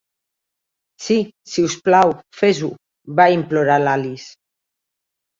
"Sí, si us plau, fes-ho", va implorar l'Alice.